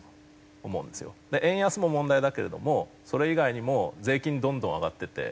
円安も問題だけれどもそれ以外にも税金どんどん上がってて。